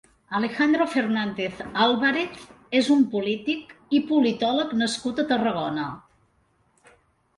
Alejandro Fernández Álvarez és un polític i politòleg nascut a Tarragona.